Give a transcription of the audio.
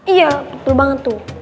iya betul banget tuh